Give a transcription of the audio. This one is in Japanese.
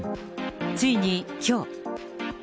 ついにきょう。